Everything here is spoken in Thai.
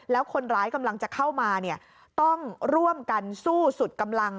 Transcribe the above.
แล้วคนร้ายกำลังจะเข้ามาต้องร่วมกันสู้สุดกำลัง